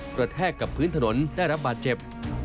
แทกกับพื้นถนนได้รับบาดเจ็บ